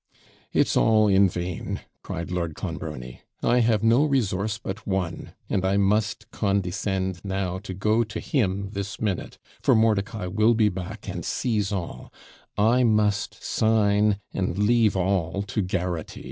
'It's all in vain,' cried Lord Clonbrony; 'I have no resource but one, and I must condescend now to go to him this minute, for Mordicai will be back and seize all I must sign and leave all to Garraghty.'